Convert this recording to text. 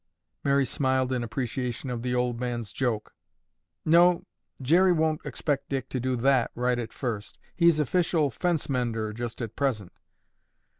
Mary smiled in appreciation of the old man's joke. "No, Jerry won't expect Dick to do that right at first. He's official fence mender just at present."